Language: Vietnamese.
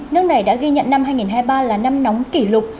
nước này đã ghi nhận năm hai nghìn hai mươi ba là năm nóng kỷ lục